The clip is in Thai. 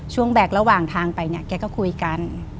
ช่วงแบกระหว่างทางไปแกก็คุยกัน